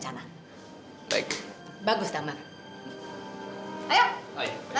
kalau kita gak berani kita bakal kalah sama toko lain pak